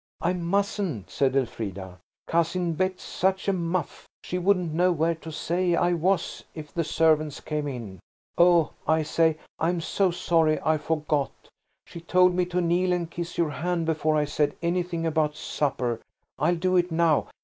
"I mustn't," said Elfrida. "Cousin Bet's such a muff; she wouldn't know where to say I was if the servants came in. Oh, I say! I'm so sorry I forgot. She told me to kneel and kiss your hand before I said anything about supper. I'll do it now."